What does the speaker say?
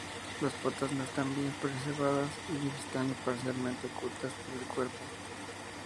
Las patas no están bien preservadas y están parcialmente ocultas por el cuerpo.